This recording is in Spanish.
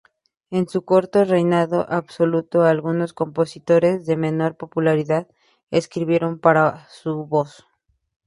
En su corto reinado absoluto algunos compositores de menor popularidad escribieron para su voz.